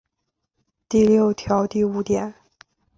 第六条第五点